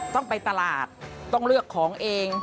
ต้องไปตลาดต้องเลือกของเอง